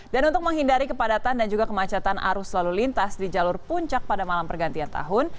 dan untuk menghindari kepadatan dan juga kemacetan arus lalu lintas di jalur puncak pada malam pergantian tahun